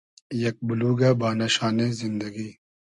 یئگ بولوگۂ بانۂ شانې زیندئگی